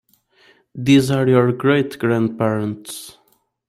These are your great grandparents.